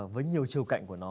với nhiều chiều cạnh của nó